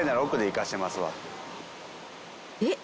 えっ？